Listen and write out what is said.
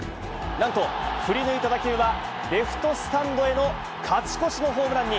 なんと、振り抜いた打球はレフトスタンドへの勝ち越しのホームランに。